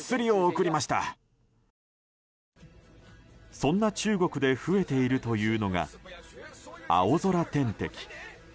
そんな中国で増えているというのが青空点滴。